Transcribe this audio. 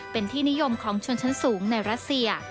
เป็นที่นิยมของชนชั้นสูงในรัสเซีย